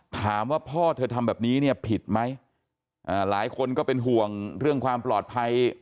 ถามว่าพ่อเธอทำแบบนี้เนี่ยผิดไหมอ่าหลายคนก็เป็นห่วงเรื่องความปลอดภัย